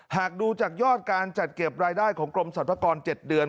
หากดูจากยอดการจัดเก็บรายได้ของกรมสรรพากร๗เดือน